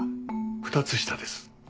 ２つ下です。